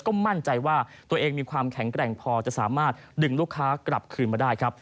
ก็มั่นใจว่าตัวเองมีความแข็งแกร่งพอจะสามารถดึงลูกค้ากลับคืนมาได้ครับ